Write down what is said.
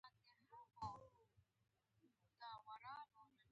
خو کله چې عام ولس د جګړې په ناولتیا خبر شي.